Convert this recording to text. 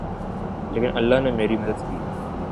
لیکن اللہ نے میری مدد کی